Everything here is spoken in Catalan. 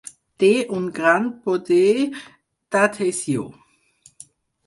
Té un gran poder d'adhesió.